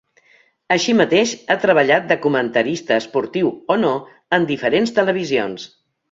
Així mateix ha treballat de comentarista, esportiu o no, en diferents televisions.